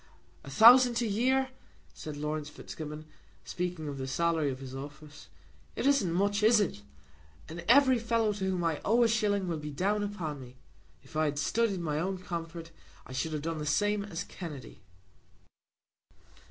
"A thousand a year!" said Laurence Fitzgibbon, speaking of the salary of his office. "It isn't much; is it? And every fellow to whom I owe a shilling will be down upon me. If I had studied my own comfort, I should have done the same as Kennedy."